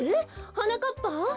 はなかっぱ？